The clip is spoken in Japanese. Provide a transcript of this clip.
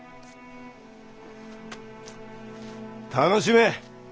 楽しめ！